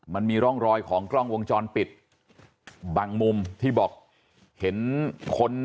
มันมีร่องรอยของกล้องวงจรปิดบางมุมที่บอกเห็นคน